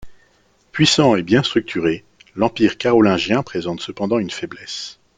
Puissant et bien structuré, l'Empire carolingien présente cependant une faiblesse.